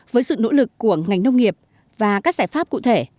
với sự nỗ lực của ngành nông nghiệp và các giải pháp cụ thể